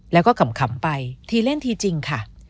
แล้วก็ขำไปทีเล่นทีจริงค่ะ